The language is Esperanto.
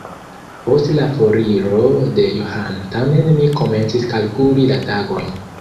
Post la foriro de Johano tamen mi komencis kalkuli la tagojn.